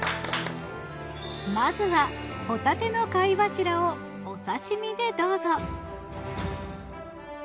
まずはホタテの貝柱をお刺身でどうぞ。